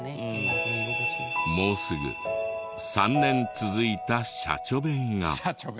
もうすぐ３年続いたしゃちょ弁が。